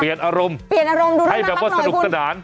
เปลี่ยนอารมณ์ดูเรื่องน่ารักหน่อยคุณให้แบบว่าสนุกสนาน